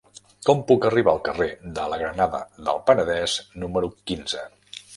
Com puc arribar al carrer de la Granada del Penedès número quinze?